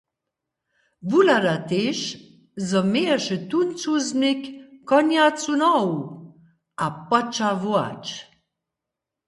Wuhlada tež, zo měješe tón cuzbnik konjacu nohu, a poča wołać.